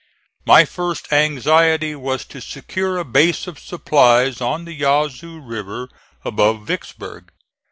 My first anxiety was to secure a base of supplies on the Yazoo River above Vicksburg.